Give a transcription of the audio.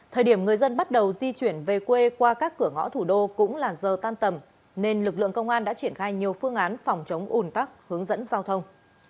thời điểm người dân bắt đầu di chuyển về quê qua các cửa ngõ thủ đô cũng là giờ tan tầm nên lực lượng công an đã triển khai nhiều phương án phòng chống ủn tắc hướng dẫn giao thông